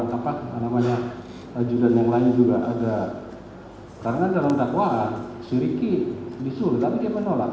karena dalam dakwah syuriki disuruh tapi dia menolak